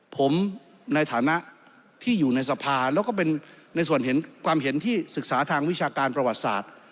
ผมในฐานะที่อยู่ในสภาแล้วก็เป็นในส่วนเห็นความเห็นที่ศึกษาทางวิชาการประวัติศาสตร์